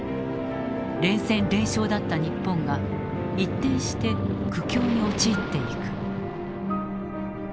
連戦連勝だった日本が一転して苦境に陥っていく。